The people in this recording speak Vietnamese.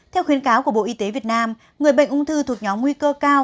theo khuyến cáo của bộ y tế việt nam người bệnh ung thư thuộc nhóm nguy cơ cao